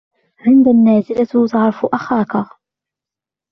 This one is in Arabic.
عند النازلة تعرف أخاك.